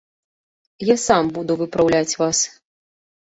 Я сам буду выпраўляць вас.